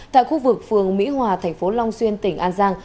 tại khu vực phường mỹ hòa thành phố long xuyên tỉnh an giang